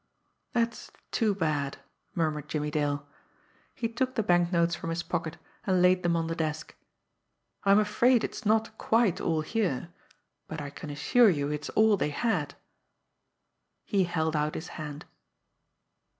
"That's too bad," murmured Jimmie Dale. He took the banknotes from his pocket, and laid them on the desk. "I am afraid it is not quite all here but I can assure you it is all they had." He held out his hand.